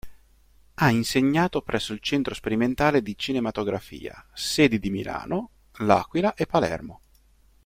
Ha insegnato presso il Centro Sperimentale di Cinematografia, sedi di Milano, l'Aquila e Palermo.